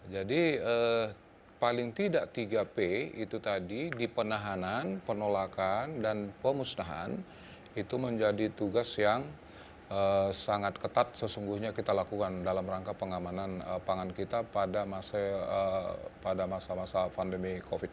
jadi paling tidak tiga p itu tadi di penahanan penolakan dan pemusnahan itu menjadi tugas yang sangat ketat sesungguhnya kita lakukan dalam rangka pengamanan pangan kita pada masa masa pandemi